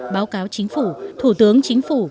báo cáo chính phủ thủ tướng chính phủ